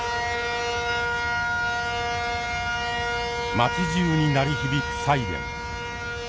町じゅうに鳴り響くサイレン。